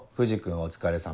お疲れさま。